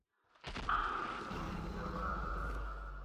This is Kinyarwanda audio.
Gucika intege nibyo byamurangaga